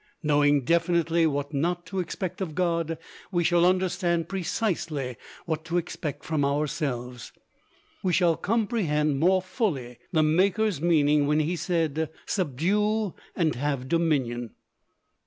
Knowing definitely what not to expect of God, we shall understand precisely what to expect from ourselves. We shall comprehend more fully the Maker's meaning when He said, "Subdue and have dominion."